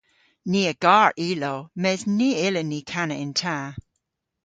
Ni a gar ilow mes ny yllyn ni kana yn ta.